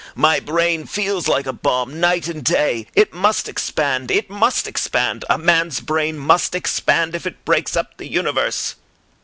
"My brain feels like a bomb, night and day. It must expand! It must expand! A man's brain must expand, if it breaks up the universe."